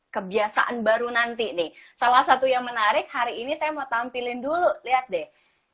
kebiasaan baru nanti nih salah satu yang menarik hari ini saya mau tampilin dulu lihat deh